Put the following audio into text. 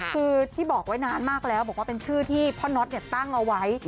คือที่บอกไว้นานมากแล้วบอกว่าเป็นชื่อที่พ่อน็อตตั้งเอาไว้